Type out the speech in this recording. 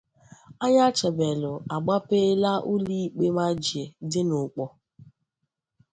Anyachebelu Agbapeela Ụlọikpe Majie Dị n'Ụkpọr